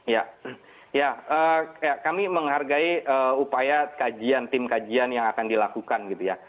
ya ya kami menghargai upaya kajian tim kajian yang akan dilakukan gitu ya